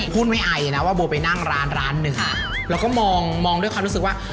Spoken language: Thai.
พูดไม่ไอนะว่าโบไปนั่งร้านร้านหนึ่งแล้วก็มองมองด้วยความรู้สึกว่า